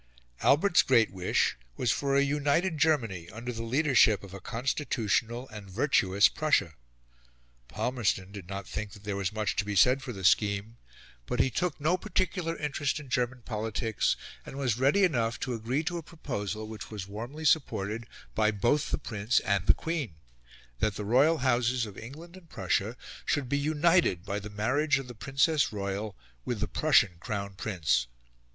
Albert's great wish was for a united Germany under the leadership of a constitutional and virtuous Prussia; Palmerston did not think that there was much to be said for the scheme, but he took no particular interest in German politics, and was ready enough to agree to a proposal which was warmly supported by both the Prince and the Queen that the royal Houses of England and Prussia should be united by the marriage of the Princess Royal with the Prussian Crown Prince.